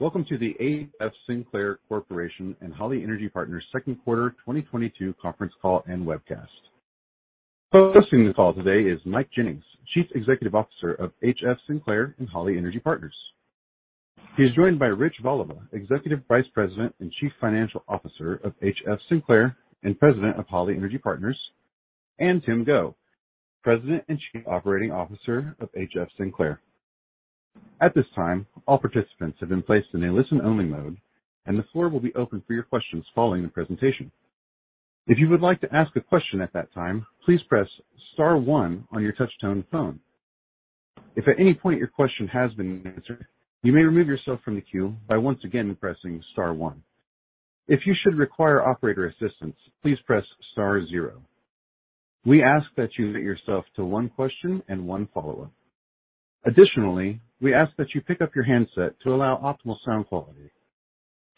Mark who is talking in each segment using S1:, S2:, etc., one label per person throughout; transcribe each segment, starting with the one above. S1: Welcome to the AEF Sinclair Corporation and Holly Energy Partners' 2nd Quarter 2022 Conference Call and Webcast. Hosting the call today is Mike Jennings, Chief Executive Officer of HF Sinclair and Holly Energy Partners. He is joined by Rich Voliva, Executive Vice President and Chief Financial Officer of HF Sinclair and President of Holly Energy Partners and Tim Goh, President and Chief Operating Officer of HF Sinclair. At this time, all participants have been placed in a listen only mode and the floor will be open for your questions following the presentation. We ask that you limit yourself to one question and one follow-up. Additionally, we ask that you pick up your handset to allow optimal sound quality.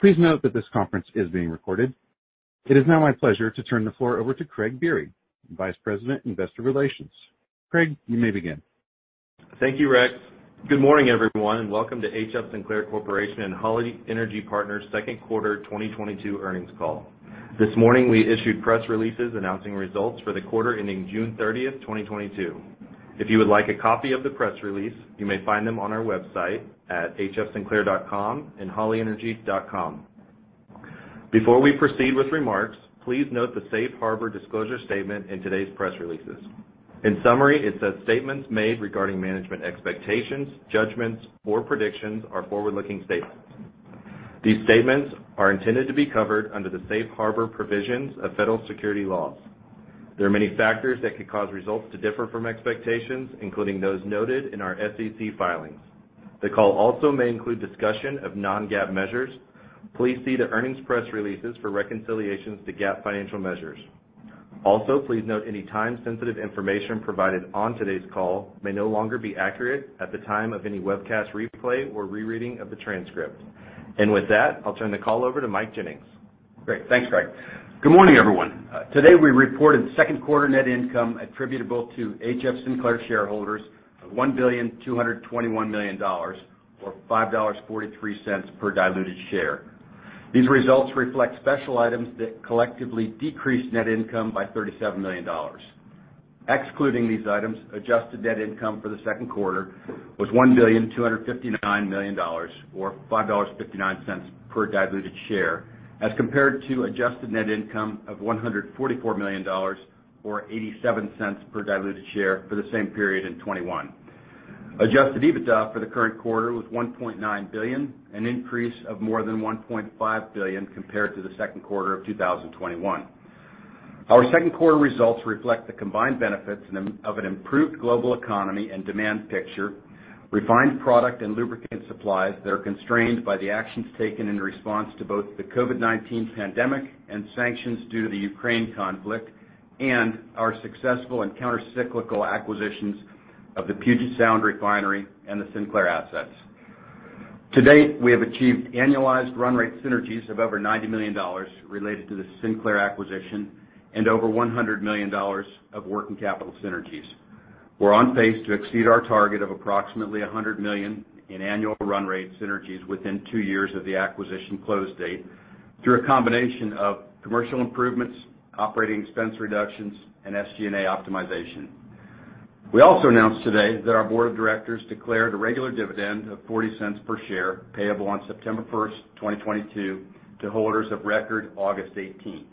S1: Please note that this conference is being recorded. It is now my pleasure to turn the floor over to Craig Biery, Vice President, Investor Relations. Craig, you may begin.
S2: Thank you, Rex. Good morning, everyone, and welcome to HF Sinclair Corporation and Holliday Energy Partners' Q2 2022 earnings call. This morning, we issued press releases announcing results For the quarter ending June 30, 2022, if you would like a copy of the press release, you may find them on our website at hfsenclair.comandhollyenergy.com. Before we proceed with remarks, please note the Safe Harbor disclosure statement in today's press releases. In summary, it says statements made regarding management Expectations, judgments or predictions are forward looking statements. These statements are intended to be covered under the Safe Harbor provisions of federal security laws. There are many factors that could cause results to differ from expectations, including those noted in our SEC filings. The call also may include discussion of non GAAP measures. Please see the earnings press releases for reconciliations to GAAP Financial Measures. Also, please note any time sensitive information provided on today's call And with that, I'll turn the call over to Mike Jennings.
S3: Great. Thanks, Greg. Good morning, everyone. Today, we reported 2nd quarter net income attributable to HF Sinclair shareholders of $1,221,000,000 or $5.43 per diluted share. These results reflect special items that Collectively decreased net income by $37,000,000 Excluding these items, adjusted net income for the 2nd quarter was $1,259,000,000 or $5.59 per diluted share as compared to adjusted net income of 100 and $44,000,000 or $0.87 per diluted share for the same period in 2021. Adjusted EBITDA for the current quarter was $1,900,000,000 an increase of more than $1,500,000,000 compared to the Q2 of 2021. Our second quarter results reflect Our successful and countercyclical acquisitions of the Puget Sound Refinery and the Sinclair assets. To date, we have achieved annualized run rate synergies of over $90,000,000 related to the Sinclair acquisition and over $100,000,000 of working capital synergies. We're on pace to exceed our target of approximately $100,000,000 in annual run rate within 2 years of the acquisition close date through a combination of commercial improvements, operating expense reductions SG and A Optimization. We also announced today that our Board of Directors declared a regular dividend of $0.40 per share payable on September 1, 2022 to holders of record August 18.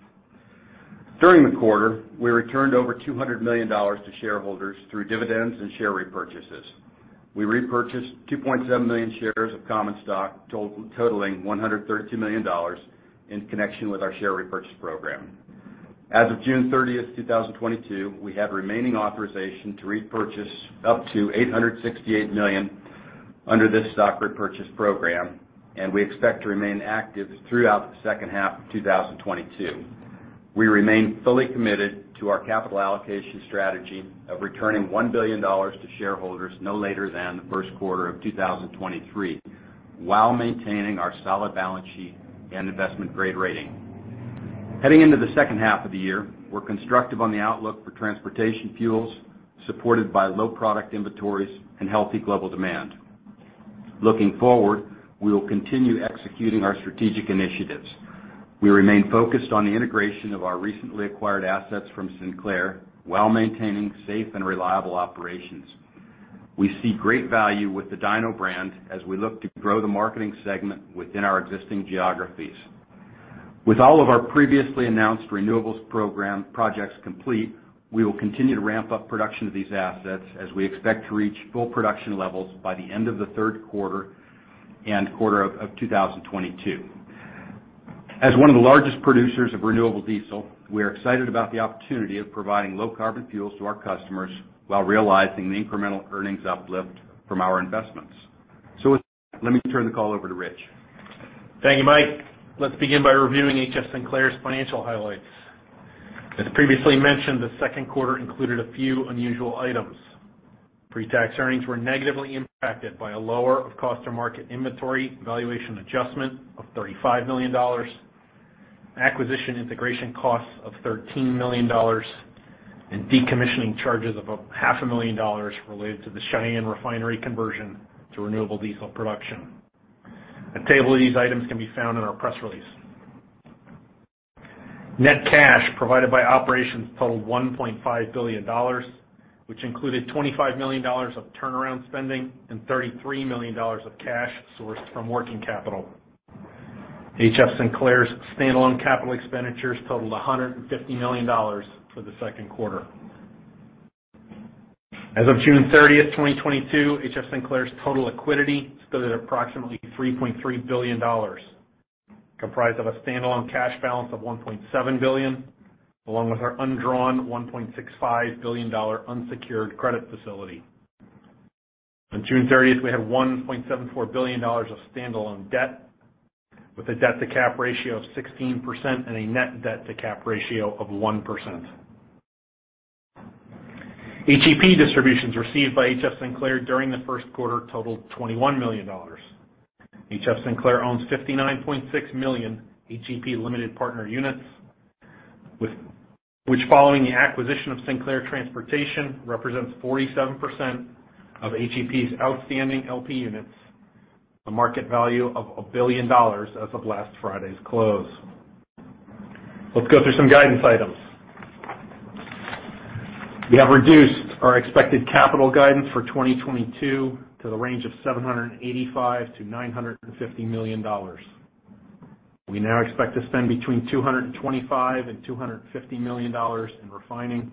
S3: During the quarter, we returned over $200,000,000 to shareholders Through dividends and share repurchases, we repurchased 2,700,000 shares of common stock totaling $132,000,000 in connection with our share repurchase program. As of June 30, 2022, we have remaining authorization to repurchase Up to $868,000,000 under this stock repurchase program and we expect to remain active throughout the second half of twenty twenty two. We remain fully committed to our capital allocation strategy of returning $1,000,000,000 to shareholders no later than the Q1 of 2023, while maintaining our solid balance sheet and investment grade rating. Heading into the second half of the year, we're constructive on the outlook for transportation fuels, supported by low product inventories and healthy global demand. Looking forward, we will continue executing our strategic initiatives. We remain focused on the integration of our recently acquired assets from Sinclair, while maintaining safe and reliable operations. We see great value with the Dyno brand as we look to grow the marketing segment within our existing geographies. With all of our previously announced renewables program projects complete, we will continue to ramp up production of these assets as we expect to reach production levels by the end of the Q3 and quarter of 2022. As one of the largest producers of renewable diesel, We are excited about the opportunity of providing low carbon fuels to our customers, while realizing the incremental earnings uplift from our investments.
S1: So with that, Let me turn
S3: the call over to Rich.
S4: Thank you, Mike. Let's begin by reviewing HF Sinclair's financial highlights. As previously mentioned, the Q2 included a few unusual items. Pretax earnings were negatively impacted by a lower of And decommissioning charges of $500,000 related to the Cheyenne refinery conversion to renewable diesel production. A table of these items can be found in our press release. Net cash provided by operations totaled $1,500,000,000 which included $25,000,000 of turnaround spending and $33,000,000 of cash sourced from working capital. HF Sinclair's standalone capital As of June 30, 2022, HFF Sinclair's total liquidity Approximately $3,300,000,000 comprised of a standalone cash balance of $1,700,000,000 along with our undrawn $1,650,000,000 unsecured credit facility. On June 30, we had $1,740,000,000 of standalone debt With a debt to cap ratio of 16% and a net debt to cap ratio of 1%. HEP distributions received by HF Sinclair during the Q1 totaled $21,000,000 HF Sinclair owns 59,600,000 HEP Limited Partner Units, which following the acquisition of Sinclair Transportation represents 47% Of HEP's outstanding LP units, a market value of $1,000,000,000 as of last Friday's close. Let's go through some guidance items. We have reduced our expected capital guidance for 2022 to the range of $785,000,000 to $950,000,000 We now expect to spend between $225,000,000 $250,000,000 in Finding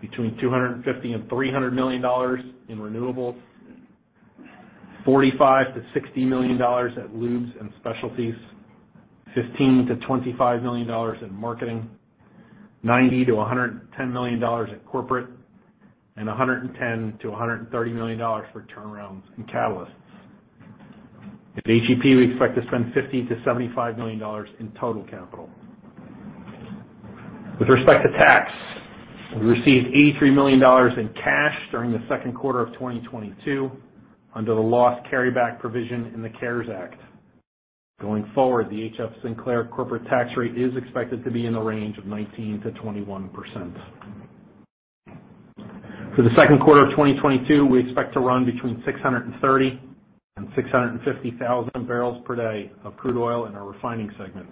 S4: between $250,000,000 $300,000,000 in renewables, dollars 45,000,000 to $60,000,000 at Lubes and Specialties, $15,000,000 to $25,000,000 in marketing, dollars 90,000,000 to $110,000,000 at corporate And $110,000,000 to $130,000,000 for turnarounds and catalysts. At HEP, we expect to spend $50,000,000 to $75,000,000 in total capital. With respect to tax, we received $83,000,000 in cash during the Q2 of 2022 Under the loss carryback provision in the CARES Act, going forward, the HF Sinclair corporate tax rate is expected to be in the range of 19% to 21 For the Q2 of 2022, we expect to run between 630,650,000 barrels per day of Crude Oil and Our Refining segment.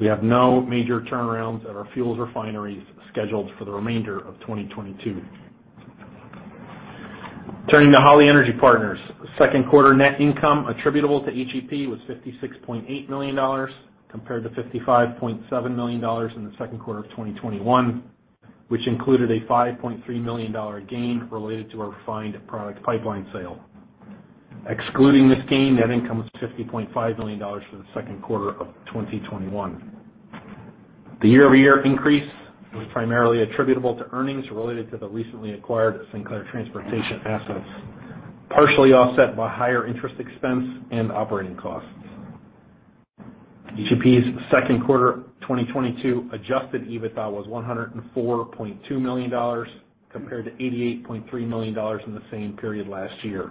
S4: We have no major turnarounds at our fuels refineries scheduled for the remainder of 2022. Turning to Holly Energy Partners. 2nd quarter net income attributable to HEP was $56,800,000 compared to $55,700,000 in the Q2 of 2021, which included a $5,300,000 gain related to our refined product pipeline sale. Excluding this gain, net income was $50,500,000 for the Q2 of 2021. The year over year increase was primarily attributable to earnings related to the recently acquired Sinclair Transportation assets, partially offset by higher interest expense and operating costs. EGP's Q2 2022 adjusted EBITDA was $104,200,000 compared to $88,300,000 in the same period last year.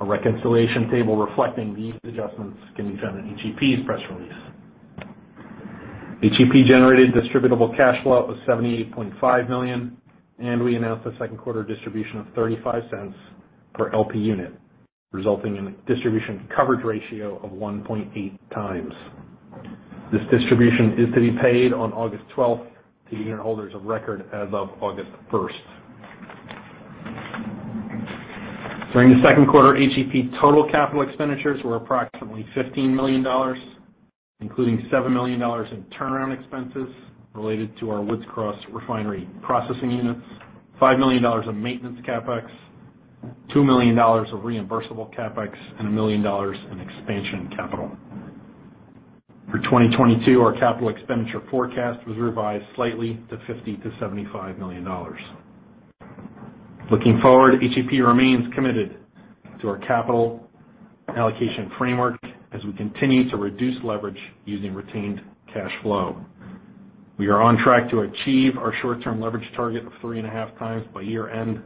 S4: A reconciliation table reflecting these adjustments can be found in HEP's press release. HEP generated distributable cash flow of $78,500,000 and we announced the 2nd quarter distribution of $0.35 per LP unit, resulting in a distribution coverage ratio of 1.8 times. This distribution is to be paid on August 12 $15,000,000 including $7,000,000 in turnaround expenses related to our Woods Cross refinery processing units, $5,000,000 of maintenance CapEx, dollars 2,000,000 of reimbursable CapEx and $1,000,000 in expansion capital. For 2022, our capital expenditure forecast was revised slightly to $50,000,000 to $75,000,000 Looking forward, HEP remains committed to our capital allocation framework as we continue to reduce leverage using retained Cash flow. We are on track to achieve our short term leverage target of 3.5 times by year end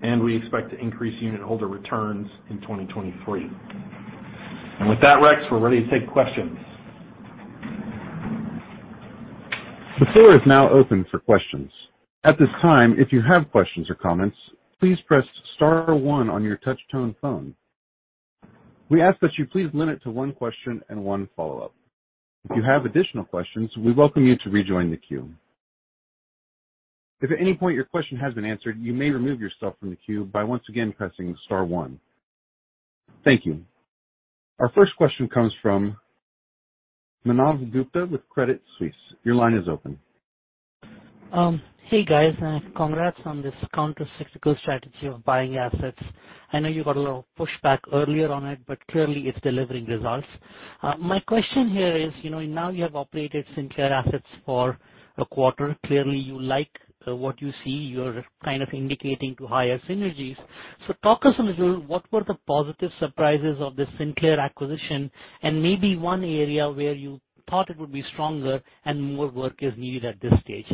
S4: and we expect to increase unitholder returns in 2023. And with that, Rex, we're ready to take questions.
S1: The floor is now open for questions. If you have additional questions, we welcome you to rejoin Thank you. Our first question comes from Manav Gupta with Credit Suisse. Your line is open.
S5: Hey, guys. Congrats on this countercyclical strategy of buying assets. I know you got a little pushback earlier on it, but clearly it's delivering results. My question here is, now you have operated Sinclair Assets for A quarter, clearly you like what you see, you're kind of indicating to higher synergies. So talk us a little what were the positive surprises of the Sinclair And maybe one area where you thought it would be stronger and more work is needed at this stage.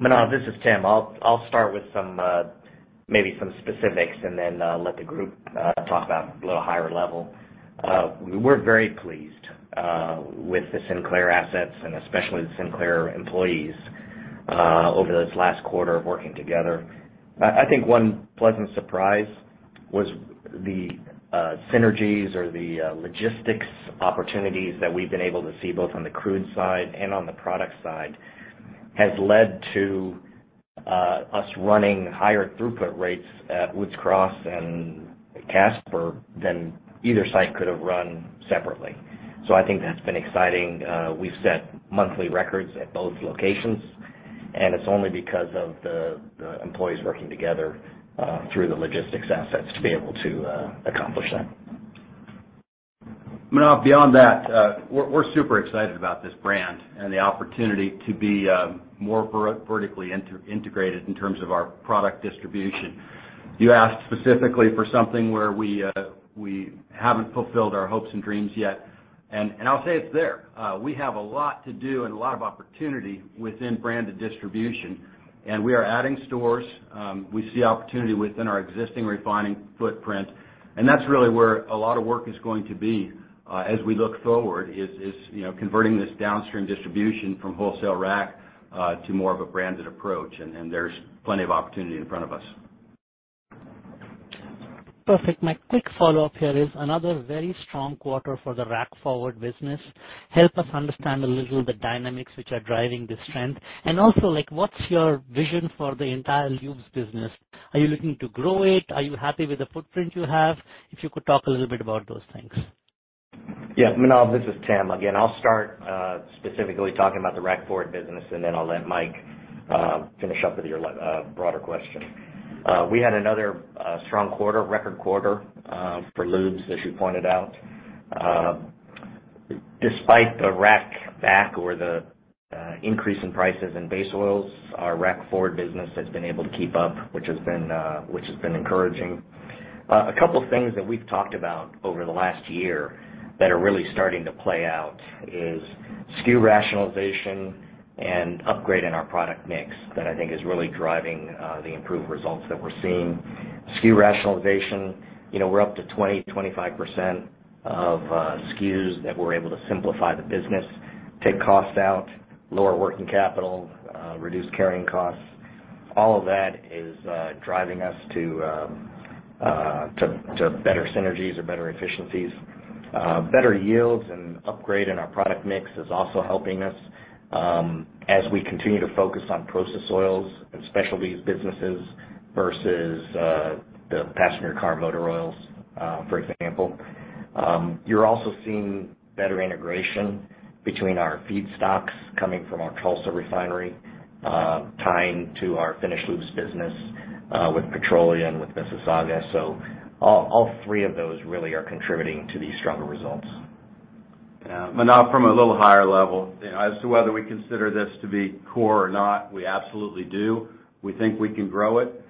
S6: Manav, this is Tim. I'll start with some maybe some specifics and then let the group I'll talk about a little higher level. We're very pleased with the Sinclair assets and especially the Sinclair employees Over this last quarter of working together, I think one pleasant surprise was the Synergies or the logistics opportunities that we've been able to see both on the crude side and on the product side has led to Us running higher throughput rates at Woods Cross and Casper than either site could have run Separately. So I think that's been exciting. We've set monthly records at both locations, and it's only because of the employees working together through the logistics assets to be able to accomplish that.
S3: Manav, beyond that, we're super excited about this brand And the opportunity to be more vertically integrated in terms of our product distribution. You asked specifically for something where We haven't fulfilled our hopes and dreams yet. And I'll say it's there. We have a lot to do and a lot of opportunity within branded distribution. And we are adding stores. We see opportunity within our existing refining footprint. And that's really where a lot of work is going to be As we look forward, converting this downstream distribution from wholesale rack to more of a branded approach, and there's plenty of opportunity in front of us.
S5: Perfect. My quick follow-up here is another very strong quarter for the Rack Forward business. Help us understand a little of the dynamics which are driving the And also like what's your vision for the entire Lubes business? Are you looking to grow it? Are you happy with the footprint you have? If you could talk a little bit about those things.
S6: Yes. Manav, this is Tim. Again, I'll start specifically talking about the Rackford business and then I'll let Mike finish up with your Broader question. We had another strong quarter, record quarter for lubes, as you pointed out. Despite the rack Back or the increase in prices in base oils, our Rack Forward business has been able to keep up, which has been encouraging. A couple of things that we've talked about over the last year that are really starting to play out is SKU rationalization And upgrade in our product mix that I think is really driving the improved results that we're seeing. SKU rationalization, we're up to 20%, 25% Of SKUs that we're able to simplify the business, take costs out, lower working capital, reduce carrying costs, all of that is Driving us to better synergies or better efficiencies. Better yields and upgrade in our product mix is also helping us As we continue to focus on process oils and specialties businesses versus the passenger car motor oils, For example, you're also seeing better integration between our feedstocks coming from our Tulsa refinery Tying to our finished lubes business with petroleum with Mississauga. So all three of those really are contributing to these stronger results. Manav, from a
S3: little higher level, as to whether we consider this to be core or not, we absolutely do. We think we can grow it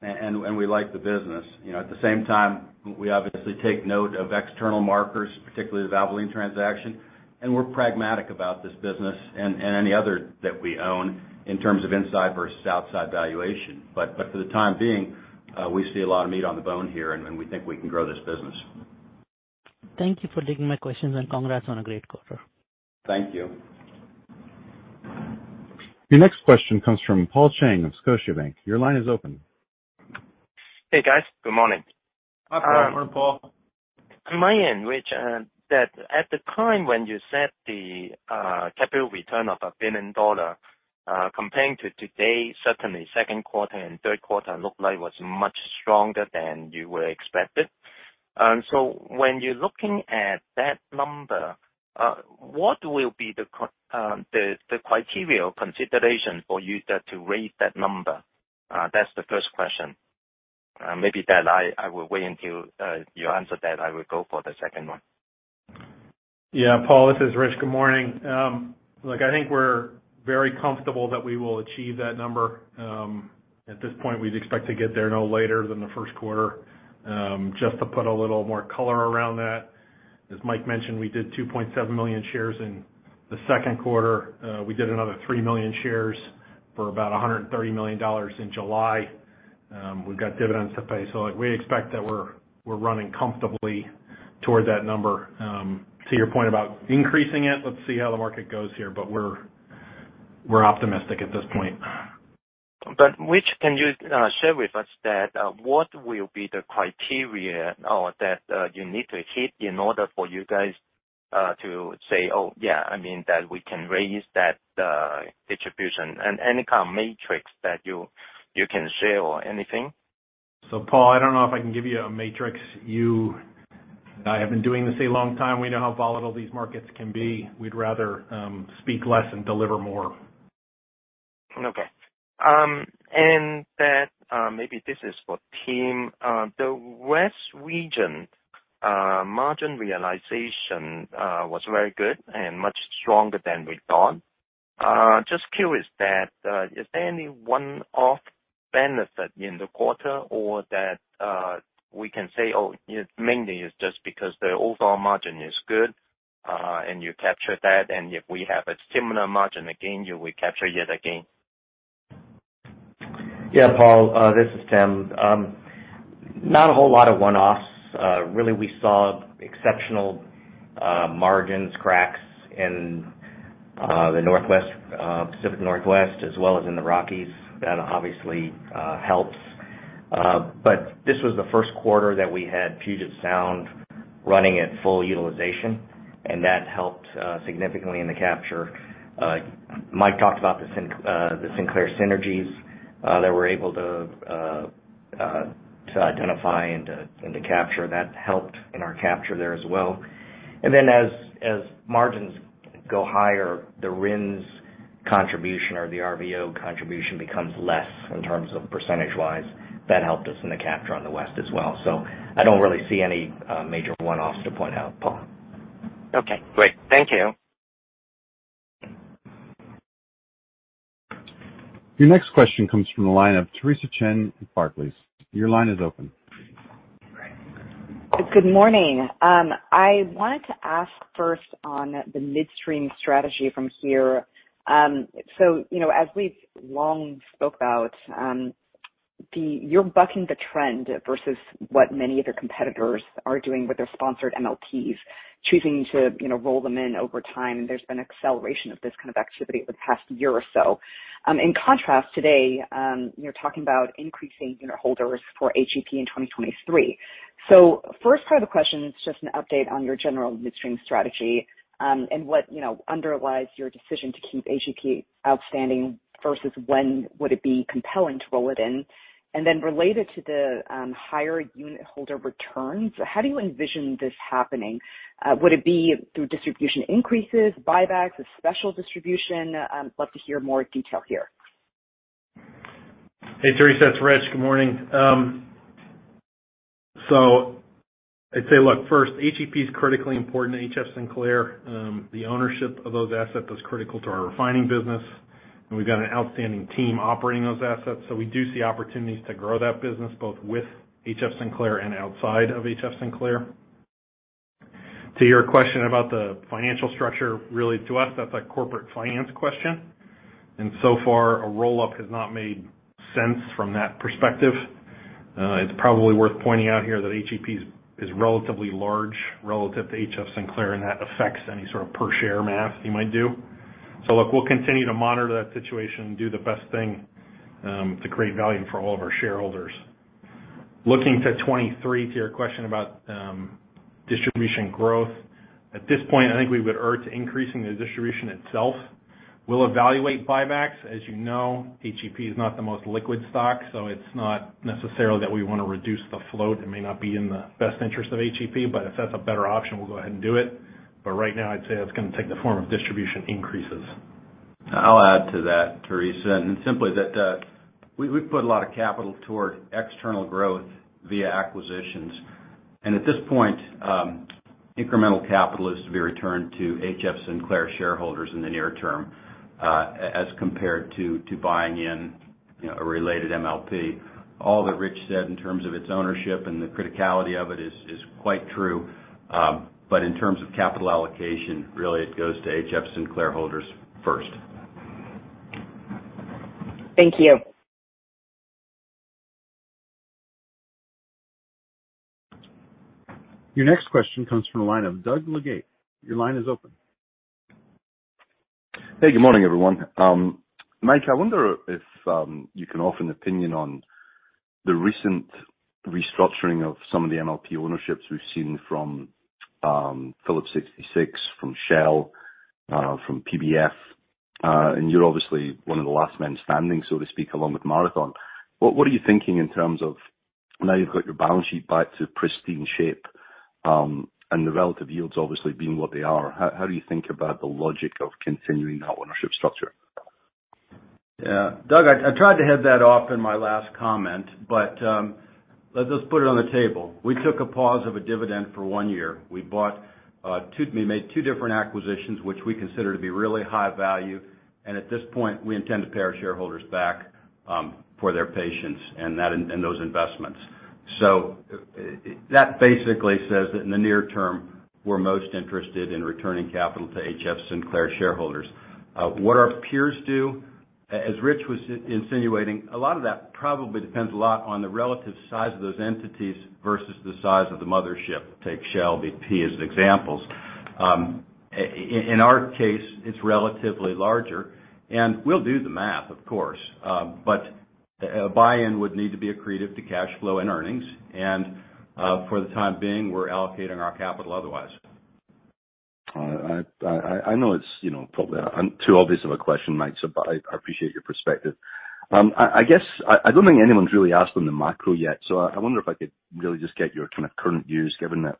S3: and we like the business. At the same time, we obviously take note of external markers, particularly the Valvoline transaction And we're pragmatic about this business and any other that we own in terms of inside versus outside valuation. But for the time being, We see a lot of meat on the bone here and we think we can grow this business.
S5: Thank you for taking my questions and congrats on a great quarter.
S1: Thank you. Your next question comes from Paul Cheng of Scotiabank. Your line is open.
S7: Hey guys, good morning.
S4: Hi, Paul.
S7: On my end, Rich, that at the time when you said the capital return of $1,000,000,000 Comparing to today, certainly, Q2 and Q3 look like it was much stronger than you were expected. So when you're looking at that number, what will be the criteria or consideration for you to raise that number? That's the first question. Maybe that I will wait until you answer that. I will go for the second one.
S4: Yes, Paul, this is Rich. Good morning. Look, I think we're very comfortable that we will achieve that number. At this point, we'd expect to get there no later than the Q1. Just to put a little more color around that, as Mike mentioned, we did 2,700,000 shares in The Q2, we did another 3,000,000 shares for about $130,000,000 in July. We've got dividends to pay. So we expect that We're running comfortably towards that number. To your point about increasing it, let's see how the market goes here, but we're optimistic at this point.
S7: But which can you share with us that what will be the criteria that you need to hit in order for you guys To say, yes, I mean that we can raise that distribution and any kind of matrix that you can share or anything?
S4: So Paul, I don't know if I can give you a matrix. You have been doing this a long time. We know how volatile these markets can be. We'd rather speak less and deliver more.
S7: Okay. And that maybe this is for Tim. The West region Margin realization was very good and much stronger than we thought. Just curious that, is there any one off Benefit in the quarter or that we can say, oh, mainly it's just because the overall margin is good And you captured that and if we have a similar margin again, you will capture yet again.
S6: Yes, Paul. This is Tim. Not a whole lot of one offs. Really, we saw exceptional margins, cracks in the Northwest Pacific Northwest as well as in the Rockies, that obviously helps. But this was the Q1 that we had Puget Sound Running at full utilization and that helped significantly in the capture. Mike talked about the Sinclair synergies They were able to identify and to capture that helped in our capture there as well. And then as margins Go higher, the RINs contribution or the RVO contribution becomes less in terms of percentage wise. That helped us in the capture on the West as well. So I don't really see any major one offs to point out, Paul.
S7: Okay, great. Thank you.
S1: Your next question comes from the line of Theresa Chen with Barclays. Your line is open.
S8: Good morning. I wanted to ask first on the midstream strategy from here. So as we've long spoke about, you're bucking the trend versus What many of their competitors are doing with their sponsored MLPs, choosing to roll them in over time, there's been acceleration of this kind of activity over the past year or so. In contrast today, you're talking about increasing unitholders for HEP in 2023. So first part of the question is Just an update on your general midstream strategy, and what underlies your decision to keep AGP outstanding First is when would it be compelling to roll it in? And then related to the higher unitholder returns, how do you envision this happening? Would it be through distribution increases, buybacks, special distribution? I'd love to hear more detail here.
S4: Hey Theresa, it's Rich. Good morning. So I'd say look, first, HEP is critically important to HF Sinclair. The ownership of those assets is critical to our refining business and we've got an outstanding team operating those assets. So we do see opportunities to grow that business both with HF Sinclair and outside of HF Sinclair. To your question about the financial structure, really to us that's a corporate finance question. And so far a roll up has not made sense from that perspective. It's probably worth pointing out here that HEP It's relatively large relative to HF Sinclair and that affects any sort of per share math you might do. So look, we'll continue to monitor that situation, do the best thing to create value for all of our shareholders. Looking to 2023, to your question about distribution growth. At this point, I think we would urge increasing the distribution itself. We'll evaluate buybacks. As you know, HEP is not the most liquid stock, so it's It's not necessarily that we want to reduce the float. It may not be in the best interest of HEP, but if that's a better option, we'll go ahead and do it. But right now, I'd say it's going to take the form of distribution increases.
S3: I'll add to that, Theresa. And simply that we put a lot of capital toward external growth Via acquisitions. And at this point, incremental capital is to be returned to HF Sinclair shareholders in the near term As compared to buying in a related MLP, all that Rich said in terms of its ownership and the criticality of it is quite true. But in terms of capital allocation, really it goes to A. J. E. P. Sinclair Holdings first.
S8: Thank you.
S1: Your next question comes from the line of Doug Leggate. Your line is open.
S9: Hey, good morning, everyone. Mike, I wonder if you can offer an opinion on The recent restructuring of some of the MLP ownerships we've seen from Phillips 66, from Shell, from PBF, And you're obviously one of the last men standing, so to speak, along with Marathon. What are you thinking in terms of now you've got your balance sheet back to pristine shape And the relative yields obviously being what they are. How do you think about the logic of continuing that ownership structure?
S3: Yes. Doug, I tried to head that off in my last comment, but let's just put it on the table. We took a pause of a dividend for 1 year. We bought We made 2 different acquisitions, which we consider to be really high value. And at this point, we intend to pay our shareholders back for their patience and those investments. So that basically says that in the near term, We're most interested in returning capital to HF Sinclair shareholders. What our peers do, as Rich was insinuating, a lot of that Probably depends a lot on the relative size of those entities versus the size of the mother ship, take Shell BP as an example. In our case, it's relatively larger and we'll do the math of course, but buy in would need to be accretive to cash flow and earnings. And for the time being, we're allocating our capital otherwise.
S9: I know it's I'm too obvious of a question, Mike, but I appreciate your perspective. I guess, I don't think anyone's really asked on the macro yet. So I wonder if I could Really just get your kind of current views given that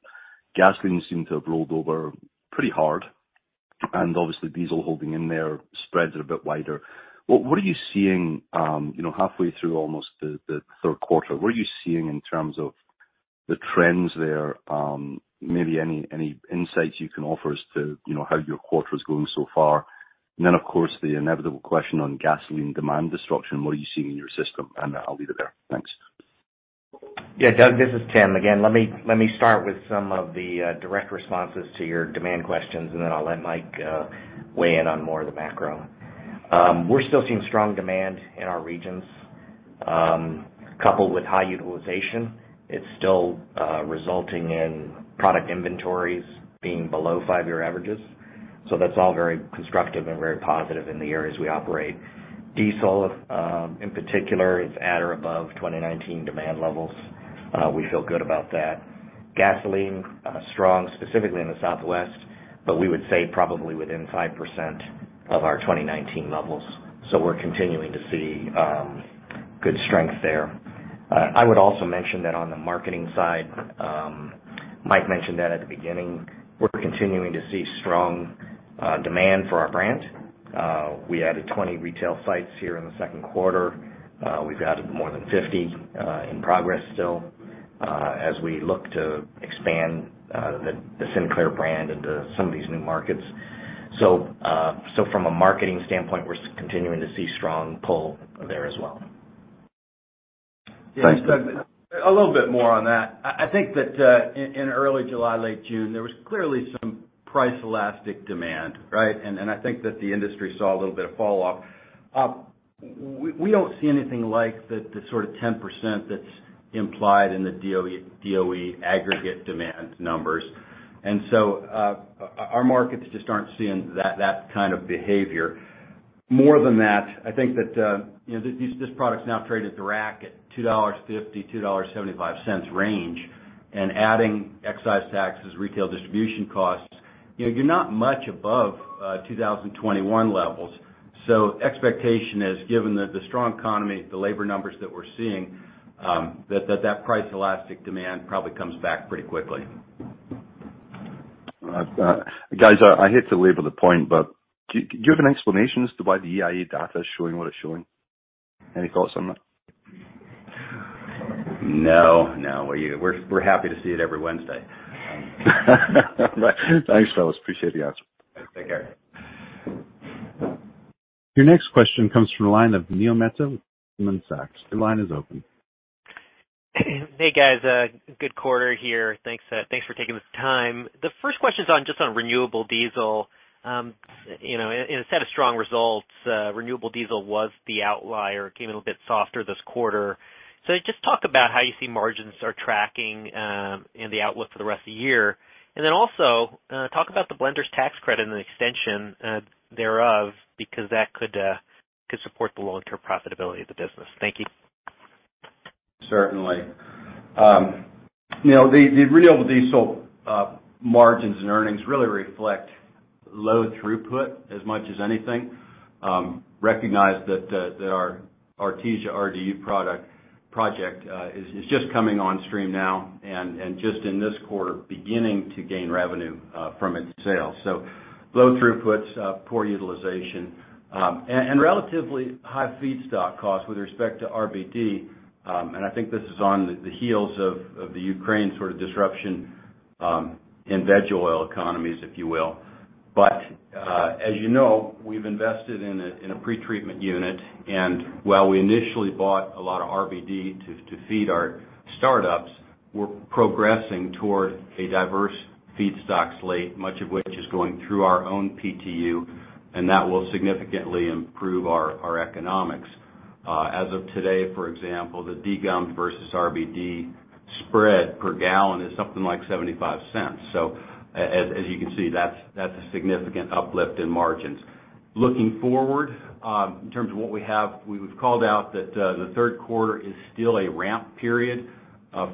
S9: gasoline seem to have rolled over pretty hard and obviously diesel holding in their spreads are a bit wider. What are you seeing halfway through almost the Q3? What are you seeing in terms of the trends there? Maybe any insights you can offer as to how your quarter is going so far? And then of course, the inevitable question on gasoline demand destruction, what are you seeing in your system? And I'll leave it there. Thanks.
S6: Yes, Doug, this is Tim again. Let me start with some of the direct responses to your demand questions, and then I'll let Mike Weigh in on more of the macro. We're still seeing strong demand in our regions, coupled with high utilization. It's still resulting in product inventories being below 5 year averages. So that's all very constructive and very positive in the areas we operate. Diesel, in particular, is at or above 2019 demand levels. We feel good about that. Gasoline, strong Specifically in the Southwest, but we would say probably within 5% of our 2019 levels. So we're continuing to see Good strength there. I would also mention that on the marketing side, Mike mentioned that at the beginning, We're continuing to see strong demand for our brand. We added 20 retail sites here in the Q2. We've added more than 50 In progress still as we look to expand the Sinclair brand into some of these new So from a marketing standpoint, we're continuing to see strong pull there as well.
S3: Thanks, Doug. A little bit more on that. I think that in early July, late June, there was clearly some Price elastic demand, right? And I think that the industry saw a little bit of fall off. We don't see anything like that the sort of 10% that's Implied in the DOE aggregate demand numbers. And so our markets just aren't seeing that kind of behavior. More than that, I think that this product is now traded to rack at $2.50 to $2.75 range And adding excise taxes, retail distribution costs, you're not much above 2021 levels. So expectation is given the strong economy, the labor numbers that we're seeing, that price elastic demand probably comes back pretty quickly.
S9: Guys, I hate to leave the point, but do you have an explanation as to why the EIA data is showing what it's showing? Any thoughts on that?
S3: No, no. We're happy to see it every Wednesday.
S1: Thanks, fellas. Appreciate the answer. Take care. Your next question comes from the line of Neil Mehta from Goldman Sachs. Your line is open.
S10: Hey guys, good quarter here. Thanks for taking the time. The first question is on just on renewable diesel. In a set of strong results, renewable diesel was the outlier, came a little bit softer this quarter. So just talk about how you see margins are tracking in the outlook for the rest of the year? And then also talk about the blenders tax credit and the extension thereof Because that could support the long term profitability of the business. Thank you.
S3: Certainly. The renewable diesel Margins and earnings really reflect low throughput as much as anything. Recognize that our Artesia RGU project is just coming on stream now and just in this quarter beginning to gain revenue from its sales. So Low throughputs, poor utilization, and relatively high feedstock costs with respect to RBD. And I think this is on the heels of the Ukraine sort of disruption in veg oil economies, if you will. But as you know, we've invested in a pretreatment unit. And while we initially bought a lot of RBD to feed our startups, We're progressing toward a diverse feedstock slate, much of which is going through our own PTU and that will significantly improve our As of today, for example, the D Gump versus RBD spread per gallon is something like $0.75 So As you can see, that's a significant uplift in margins. Looking forward, in terms of what we have, we've called out that the Q3 is Still a ramp period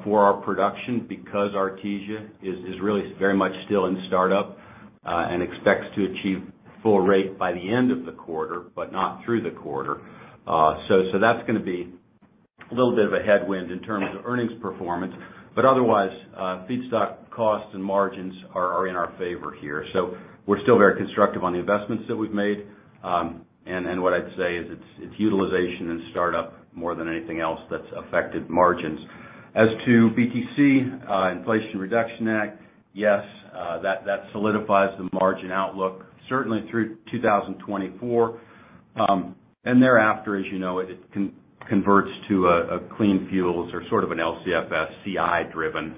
S3: for our production because Artesia is really very much still in startup and expects to achieve Full rate by the end of the quarter, but not through the quarter. So that's going to be
S7: a little bit of a
S3: headwind in terms of earnings performance. But otherwise, feedstock costs and margins are in our favor here. So we're still very constructive on the investments that we've made. And what I'd say is it's utilization and startup more than anything else that's affected margins. As to BTC, Inflation Reduction Act, Yes, that solidifies the margin outlook certainly through 2024. And thereafter, as you know, it converts to a clean fuels or sort of an LCFS CI driven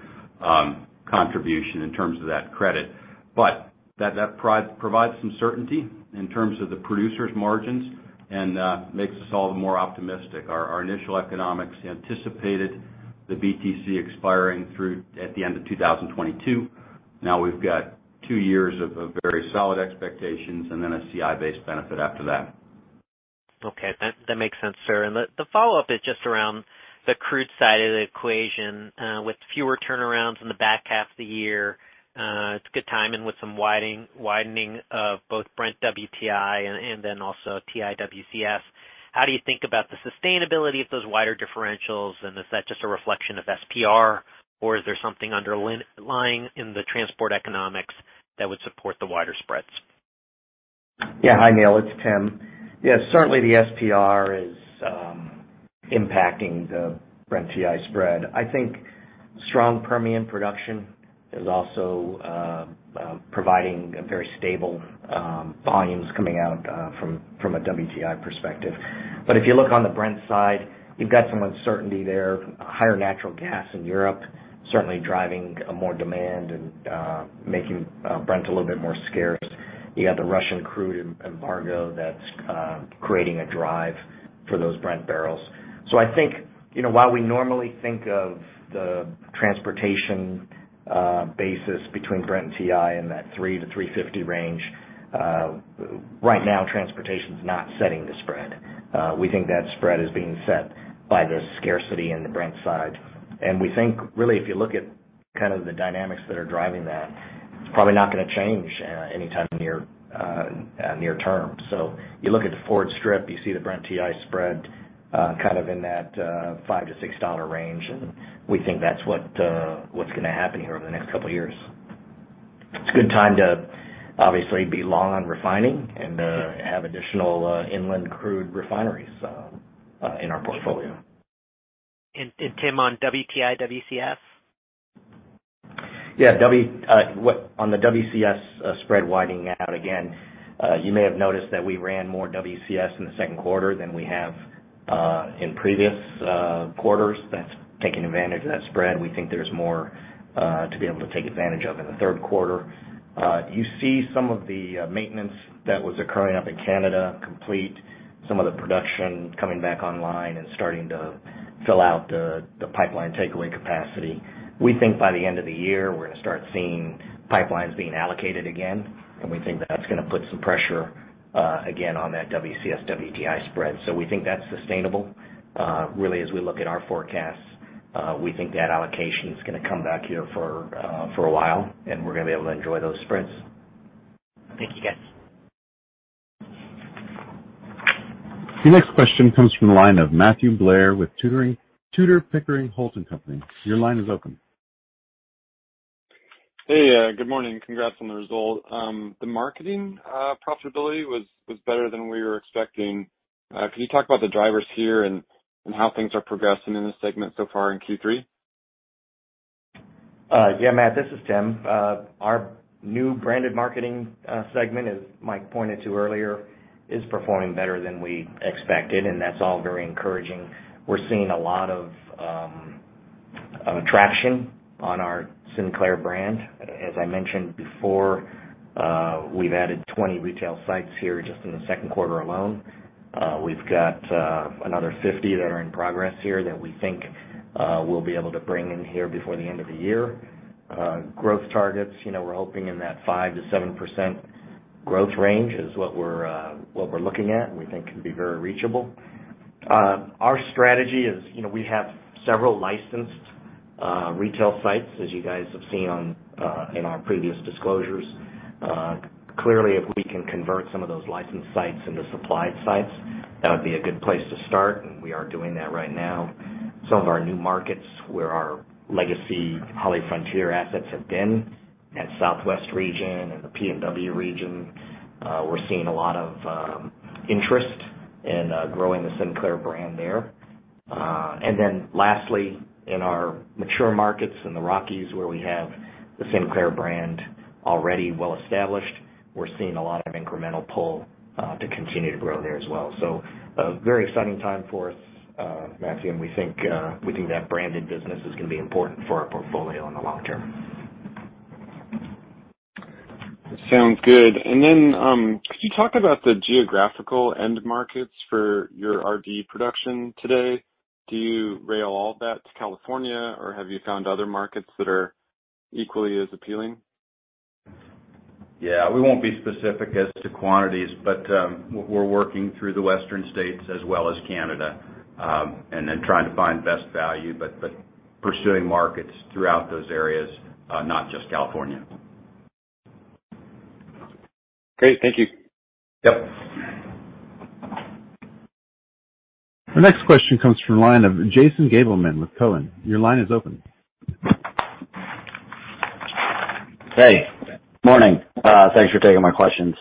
S3: contribution in terms of that credit. But that provides some certainty in terms of the producers' margins and makes us all more optimistic. Our initial economics anticipated The BTC expiring through at the end of 2022. Now we've got 2 years of very solid expectations and then a CI based benefit after that.
S10: Okay. That makes sense, sir. And the follow-up is just around the crude side of the equation. With fewer turnarounds in the back half of the year, It's a good time and with some widening of both Brent WTI and then also TI WCS, do you think about the sustainability of those wider differentials? And is that just a reflection of SPR? Or is there something underlying in the transport economics that would support the wider spreads.
S6: Yes. Hi, Neil, it's Tim. Yes, certainly the SPR is impacting the Brent TI spread. I think strong Permian production is also providing very stable Volumes coming out from a WTI perspective. But if you look on the Brent side, you've got some uncertainty there, higher natural gas in Europe, Certainly driving more demand and making Brent a little bit more scarce. You have the Russian crude embargo that's creating a drive For those Brent barrels. So I think, while we normally think of the transportation basis between Brent and TI in that $3,000,000 to $3.50 range. Right now, transportation is not setting the spread. We think that spread is being set By the scarcity in the Brent side. And we think really if you look at kind of the dynamics that are driving that, it's probably not going to change anytime Near term. So you look at the forward strip, you see the Brent TI spread
S1: kind
S6: of in that $5 to $6 range, and we think that's what's going to happen here over the next couple of years?
S7: It's a
S6: good time to obviously be long on refining and have additional inland crude refineries in our portfolio.
S10: And Tim, on WTI WCS?
S6: Yes. On the WCS spread widening out again, you may have noticed that we ran more WCS in the 2nd quarter than we have In previous quarters, that's taken advantage of that spread. We think there's more to be able to take advantage of in
S3: the Q3.
S6: You see some of the maintenance that was occurring up in Canada complete, some of the production coming back online and Starting to fill out the pipeline takeaway capacity. We think by the end of the year, we're going to start seeing pipelines being allocated again, and we think that's going to put some pressure again on that WCS WTI spread. So we think that's sustainable. Really as we look at our forecasts, We think that allocation is going to come back here for a while and we're going to be able to enjoy those sprints.
S10: Thank you, guys.
S1: Your next question comes from the line of Matthew Blair with Tudor, Pickering, Holt and Company. Your line is open.
S11: Hey, good morning. Congrats on the result. The marketing profitability was better than we were expecting. Can you talk about the drivers here and how things are progressing in this segment so far in Q3?
S6: Yes, Matt, this is Tim. Our New branded marketing segment, as Mike pointed to earlier, is performing better than we expected, and that's all very encouraging. We're seeing a lot of traction on our Sinclair brand. As I mentioned before, We've added 20 retail sites here just in the Q2 alone. We've got another 50 that are in progress here that we think We'll be able to bring in here before the end of the year. Growth targets, we're hoping in that 5% to 7% Growth range is what we're looking at and we think can be very reachable. Our strategy is we have several licensed Retail sites, as you guys have seen in our previous disclosures, clearly, if we can convert some of those licensed sites into That would be a good place to start and we are doing that right now.
S7: Some of
S6: our new markets where our legacy HollyFrontier assets have been At Southwest region and the PNW region, we're seeing a lot of interest in growing the Sinclair brand there. And then lastly, in our mature markets in the Rockies where we have the Sinclair brand Already well established, we're seeing a lot of incremental pull to continue to grow there as well. So a very exciting time for us, Maxime, we think that branded business is going to be important for our portfolio in the long term.
S11: Sounds good. And then, could you talk about the geographical end markets for your RV production today? Do you rail all of that to California? Or have you found other markets that are equally as appealing?
S3: Yes. We won't be specific as to quantities, but we're working through the Western states as well as Canada, and then trying to find best value, but Pursuing markets throughout those areas, not just California.
S1: Great. Thank you.
S7: Yes.
S1: The next question comes from the line of Jason Gabelman with Cowen. Your line is open.
S12: Hey, good morning. Thanks for taking my questions.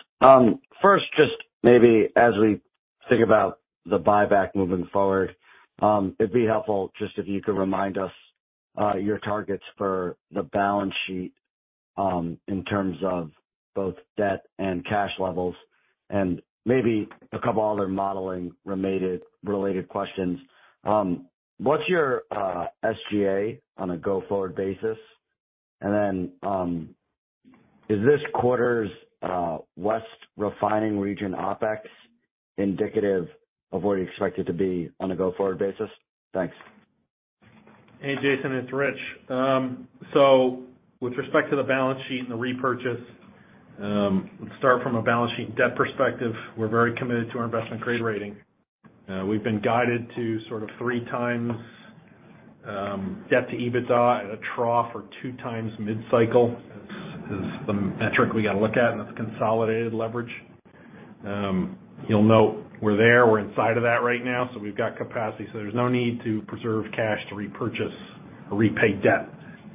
S12: First, just maybe as we Think about the buyback moving forward, it'd be helpful just if you could remind us your targets for the balance sheet In terms of both debt and cash levels and maybe a couple of other modeling related questions. What's your SGA on a go forward basis? And then is this quarter's West Refining region OpEx indicative of what you expect it to be on a go forward basis? Thanks.
S4: Hey, Jason, it's Rich. So with respect to the balance sheet and the repurchase, Let's start from a balance sheet debt perspective. We're very committed to our investment grade rating. We've been guided to sort of 3 times Debt to EBITDA at a trough or 2 times mid cycle is the metric we got to look at and it's consolidated leverage. You'll note, we're there, we're inside of that right now. So we've got capacity. So there's no need to preserve cash to repurchase Repay debt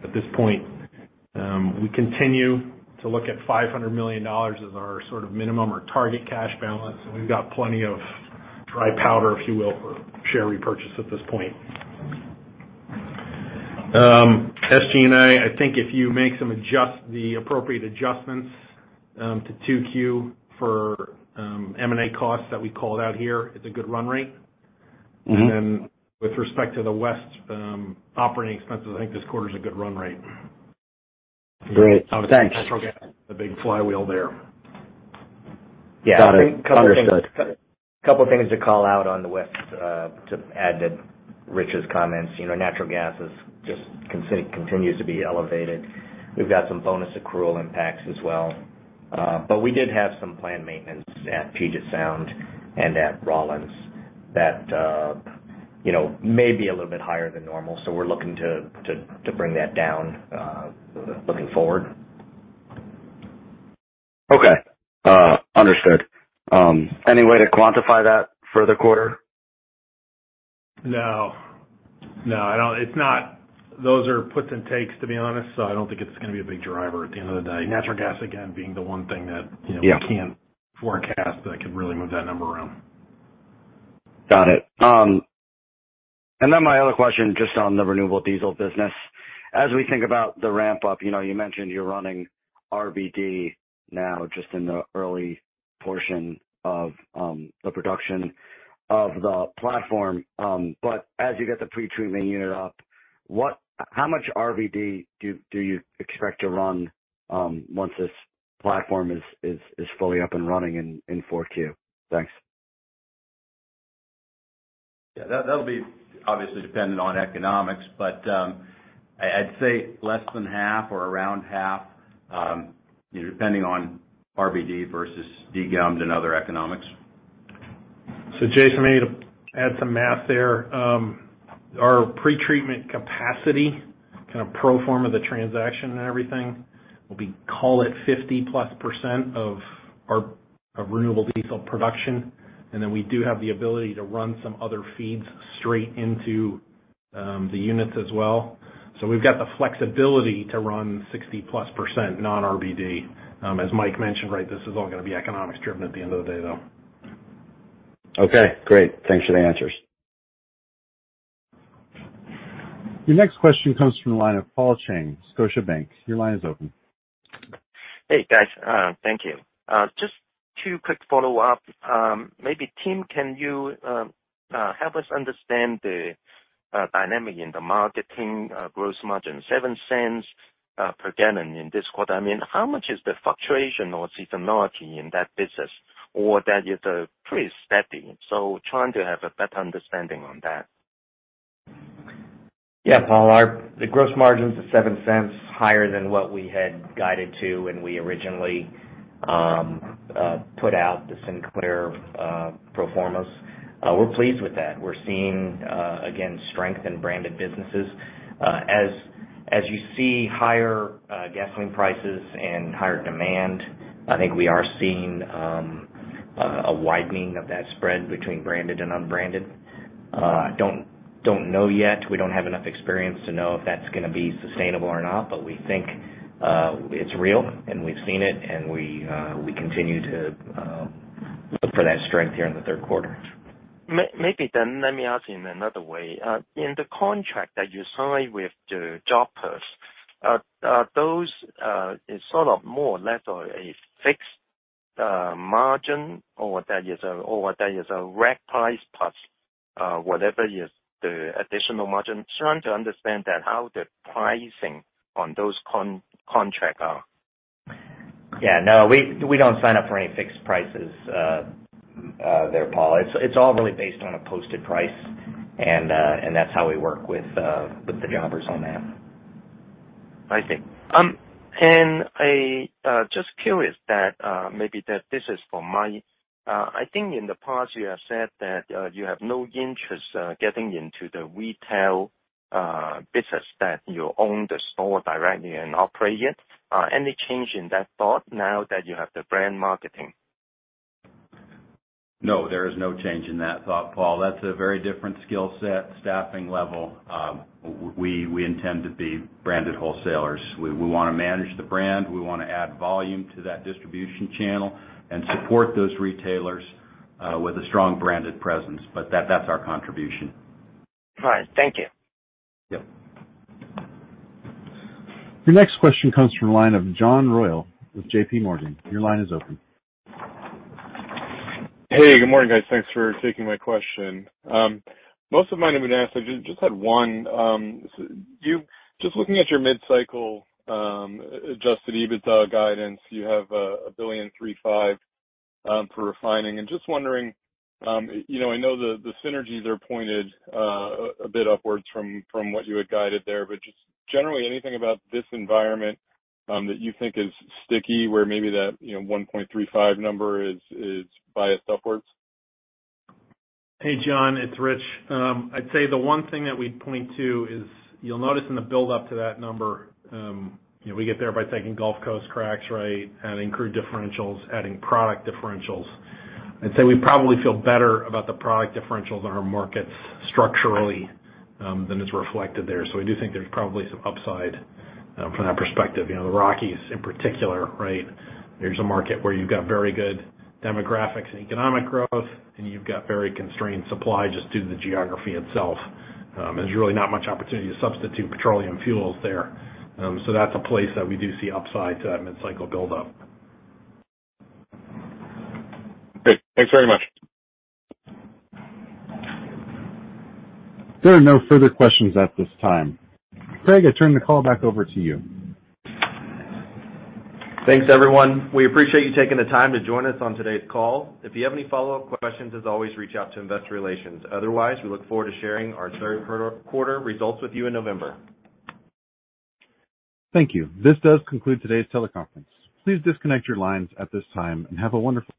S4: at this point, we continue to look at $500,000,000 as our sort of minimum or target cash balance. We've got plenty of Dry powder, if you will, for share repurchase at this point. SG and A, I think if you make some adjust the appropriate Adjustments to 2Q for M and A costs that we called out here is a good run rate. And then With respect to the West operating expenses, I think this quarter is a good run rate.
S6: Great. Thanks. The big flywheel there. Yes. Couple of things to call out on the West, to add to Rich's comments. Natural gas This just continues to be elevated. We've got some bonus accrual impacts as well. But we did have some planned And at Puget Sound and at Rollins that may be a little bit higher than normal. So we're looking to bring that down Looking forward.
S12: Okay. Understood. Any way to quantify that for the quarter?
S4: No, no, it's not those are puts and takes to be honest. So I don't think it's going to be a big At the end of the day, natural gas again being the one thing that
S7: we can't
S4: forecast that I can really move that number around.
S1: Got it. And then my
S12: other question just on the renewable diesel business. As we think about the ramp up, you mentioned you're running RBD Now just in the early portion of the production of the platform, but as you get the pretreatment unit up, what How much RVD do you expect to run once this platform is fully up and running in 4Q? Thanks.
S3: Yes, that will be obviously dependent on economics, but I'd say less than half or around half depending on RBD versus degalmed and other economics.
S4: So Jason, maybe to Add some math there. Our pretreatment capacity, kind of pro form a of the transaction and everything We'll be call it 50 plus percent of our renewable diesel production and then we do have the ability to run some other feeds straight into The units as well. So we've got the flexibility to run 60 plus percent non RBD. As Mike mentioned, right, this is all going to be economics driven at the end of the day
S12: Okay, great. Thanks for the answers.
S1: Your next question comes from the line Paul Cheng, Scotiabank, your line is open.
S7: Hey, guys. Thank you. Just two quick follow ups. Maybe Tim, can you Help us understand the dynamic in the marketing gross margin, dollars 0.07 per gallon in this I mean, how much is the fluctuation of technology in that business or that is the pre study? So trying to have a better understanding on that.
S6: Yes, Paul. The gross margins of $0.07 higher than what we had guided to when we originally Put out the Sinclair pro formas. We're pleased with that. We're seeing, again, strength in branded businesses. As you see higher gasoline prices and higher demand, I think we are seeing a widening of that Between branded and unbranded, I don't know yet. We don't have enough experience to know if that's going to be sustainable or not, but we think It's real and we've seen it and we continue to look for that strength here in the Q3.
S7: Maybe then let me ask in another way. In the contract that you signed with the job first, those It's sort of more or less a fixed margin or what that is or what that is a rack price plus Whatever is the additional margin, just trying to understand that how the pricing on those contracts are?
S6: Yes. No, we don't sign up for any fixed prices there, Paul. It's all really based on a posted price And that's how we work with the jobbers on that.
S7: I see. And I just curious that maybe that this is for Maury. I think in the past you have said that you have no Getting into the retail business that you own the store directly and operate it, any change in that thought Now that you have the brand marketing?
S3: No, there is no change in that thought, Paul. That's a very different skill set staffing level. We intend to be branded wholesalers. We want to manage the brand. We want to add volume to that distribution channel and support those retailers with a strong branded presence, but that's our contribution.
S7: All right. Thank you.
S1: Your next question comes from the line of John Royall with JPMorgan. Your line is open.
S3: Hey,
S11: Most of my numbers have been asked. I just had one. Just looking at your mid cycle adjusted EBITDA guidance, you have $1,350,000,000 for refining. And just wondering, I know the synergies are pointed a bit upwards from what you had guided there, but just generally anything about this environment That you think is sticky where maybe that 1.35 number is biased upwards?
S4: Hey, John, it's Rich. I'd say the one thing that we'd point to is you'll notice in the buildup to that number, We get there by taking Gulf Coast cracks, right, adding crude differentials, adding product differentials. I'd say we probably feel better about the product differentials in our market Structurally, then it's reflected there. So I do think there's probably some upside from that perspective. The Rockies in particular, right? There's a market where you've got very good demographics and economic growth and you've got very constrained supply just due to the geography itself. There's really not much opportunity to substitute petroleum fuels there. So that's a place that we do see upside to that mid cycle buildup.
S1: Okay. Thanks very much. There are no further questions at this time. Craig, I turn the call back over to you.
S2: Thanks, everyone. We appreciate you taking the time to join us on today's call.
S1: Thank you. This does conclude today's teleconference. Please disconnect your lines at this time and have a wonderful